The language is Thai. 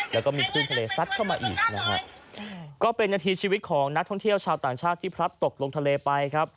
แล้วก็มีคลื่นทะเลซัดเข้ามาอีกนะฮะก็เป็นนาทีชีวิตของนักท่องเที่ยวชาวต่างชาติที่พลัดตกลงทะเลไปครับ